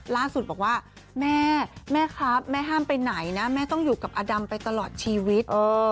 ล่าสุดบอกว่าแม่แม่ครับแม่ห้ามไปไหนนะแม่ต้องอยู่กับอดำไปตลอดชีวิต